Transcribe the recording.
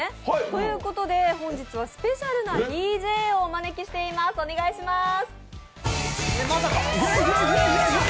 ということで本日はスペシャルなＤＪをお招きしています。